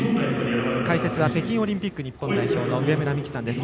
解説は北京オリンピック日本代表の上村美揮さんです。